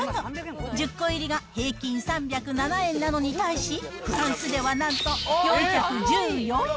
１０個入りが平均３０７円なのに対し、フランスではなんと、４１４円。